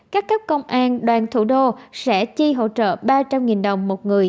các cấp công an đoàn thủ đô sẽ chi hỗ trợ ba trăm linh đồng một người